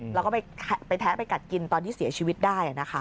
แล้วก็ไปแทะไปกัดกินตอนที่เสียชีวิตได้นะคะ